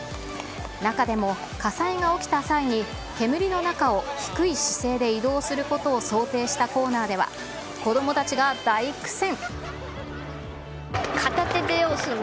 中でも、火災が起きた際に煙の中を低い姿勢で移動することを想定したコーナーでは、子どもたちが大苦戦。